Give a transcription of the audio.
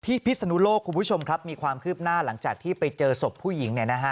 พิศนุโลกคุณผู้ชมครับมีความคืบหน้าหลังจากที่ไปเจอศพผู้หญิง